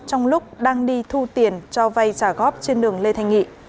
trong lúc đang đi thu tiền cho vay trả góp trên đường lê thanh nghị